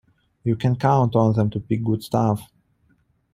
You can't count on them to pick good stuff.